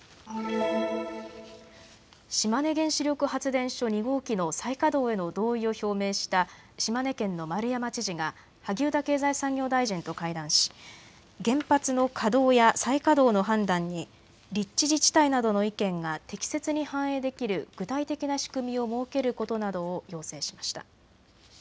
島根原子力発電所２号機の再稼働への同意を表明した島根県の丸山知事が萩生田経済産業大臣と会談し原発の稼働や再稼働の判断に立地自治体などの意見が適切に反映できる具体的な仕組みを設けることなどを要請しました。